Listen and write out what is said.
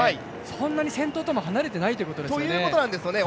そんなに先頭とも離れていないということなんですよね。